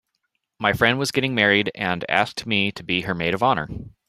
My friend was getting married and asked me to be her maid of honor.